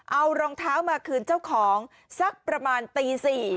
เอารองเท้ามาคืนเจ้าของสักประมาณตี๔